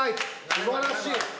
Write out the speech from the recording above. すばらしい